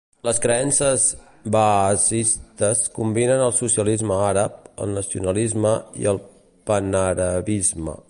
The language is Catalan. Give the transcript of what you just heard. Les creences baasistes combinen el socialisme àrab, el nacionalisme i el panarabisme.